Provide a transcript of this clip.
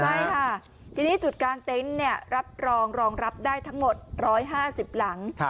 ใช่ค่ะทีนี้จุดกลางเต็นต์รับรองรองรับได้ทั้งหมด๑๕๐หลัง